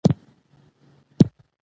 نور پر خپل حال پرېښودل شوی